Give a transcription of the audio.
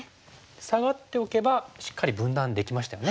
サガっておけばしっかり分断できましたよね。